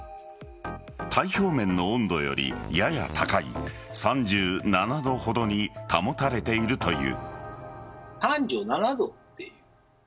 体表面の温度より、やや高い３７度ほどに保たれているという。